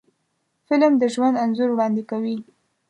فلم د ژوند انځور وړاندې کوي